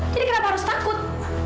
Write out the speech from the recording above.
jadi kenapa harus takut